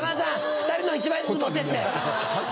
２人の１枚ずつ持ってって。